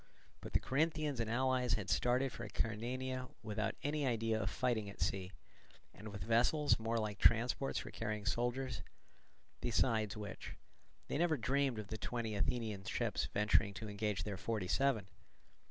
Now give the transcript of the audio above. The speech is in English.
But the Corinthians and allies had started for Acarnania without any idea of fighting at sea, and with vessels more like transports for carrying soldiers; besides which, they never dreamed of the twenty Athenian ships venturing to engage their forty seven.